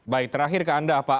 baik terakhir ke anda pak